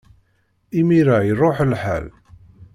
Imir-a, iṛuḥ lḥal!